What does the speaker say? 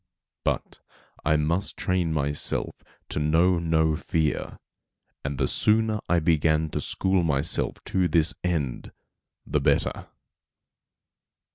But I must train myself to know no fear, and the sooner I began to school myself to this end, the better.